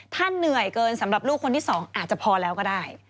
ถ้าเหนื่อยเกินสำหรับลูกคนที่๒อาจจะพอแล้วก็ได้